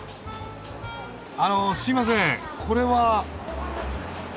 あのすいませんこれは？